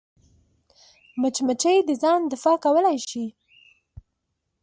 مچمچۍ د ځان دفاع کولی شي